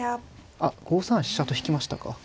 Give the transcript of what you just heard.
あっ５三飛車と引きましたか。